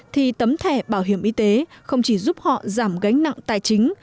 thì tấm thẻ bảo hiểm y tế không chỉ giúp họ giảm gánh nặng tài chính